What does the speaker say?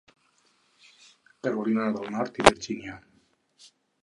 Carolina del Nord i Virgínia.